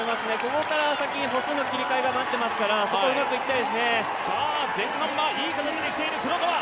ここから先、歩数の切り替えが待っていますからそこ、うまくいきたいですね。